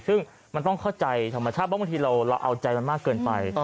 ซึ่งมันต้องเข้าใจธรรมชาติเพราะบางทีเราเอาใจมันมากเกินไป